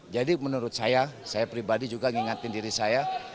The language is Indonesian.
jadi menurut saya saya pribadi juga mengingatkan diri saya